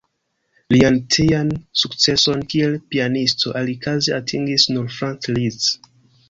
Lian tiean sukceson kiel pianisto alikaze atingis nur Franz Liszt.